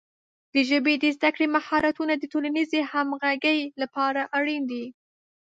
د ژبې د زده کړې مهارتونه د ټولنیزې همغږۍ لپاره اړین دي.